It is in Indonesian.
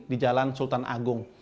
di jalan sultan agung